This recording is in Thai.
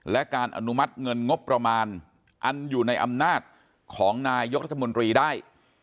และการอนุมัติเงินงบประมาณอันอยู่ในอำนาจของนายกรัฐมนตรีได้